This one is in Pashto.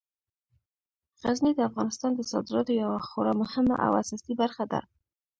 غزني د افغانستان د صادراتو یوه خورا مهمه او اساسي برخه ده.